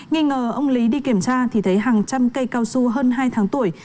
nghi ngờ ông lý đi kiểm tra thì thấy hàng trăm cây cao su hơn hai tháng tuổi